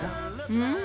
うん！